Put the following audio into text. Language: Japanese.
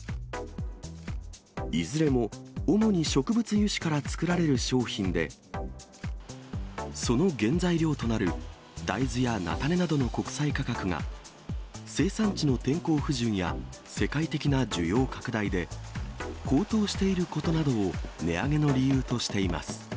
いずれも主に植物油脂から作られる商品で、その原材料となる大豆や菜種などの国際価格が、生産地の天候不順や世界的な需要拡大で、高騰していることなどを値上げの理由としています。